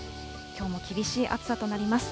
きょうも厳しい暑さとなります。